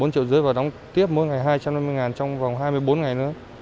bốn triệu rưỡi và đóng tiếp mỗi ngày hai trăm năm mươi ngàn trong vòng hai mươi bốn ngày nữa